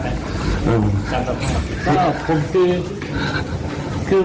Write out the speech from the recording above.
ก็ตามสัมภาษณ์นะ